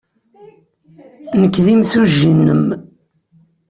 Nekk d imsujji-nnem.